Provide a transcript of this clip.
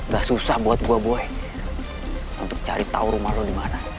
gak susah buat gue boleh untuk cari tahu rumah lo dimana